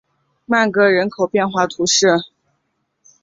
曼戈人口变化图示